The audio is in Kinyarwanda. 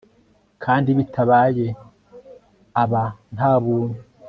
Kandi bitabaye aba nta buntu